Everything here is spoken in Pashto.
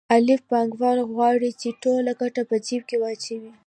الف پانګوال غواړي چې ټوله ګټه په جېب کې واچوي